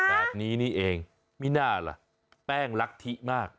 แบบนี้นี่เองมิน่าล่ะแป้งลักทิมาก